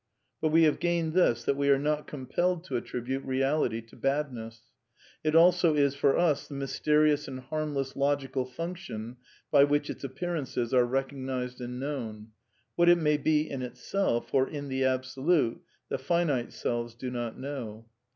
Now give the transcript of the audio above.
But we have gained this, that we are not compelled to attribute reality to badness. It also is, for us, the mysterious and harmless logical function by which its appearances are recognized and known. What it may be in itself, or " in the Absolute " the finite selves do not know.